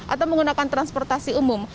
atau menggunakan transportasi umum